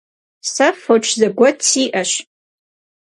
Se foç zeguet si'eş.